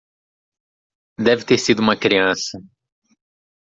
Deve ter sido uma criança.